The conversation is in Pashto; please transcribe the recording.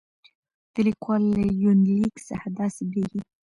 د ليکوال له يونليک څخه داسې برېښي